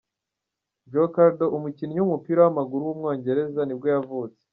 Joe Cardle, umukinnyi w’umupira w’amaguru w’umwongereza nibwo yavutse.